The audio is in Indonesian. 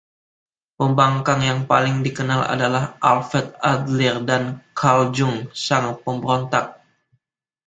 Pembangkang yang paling dikenal adalah Alfred Adler dan Carl Jung... Sang Pemberontak'.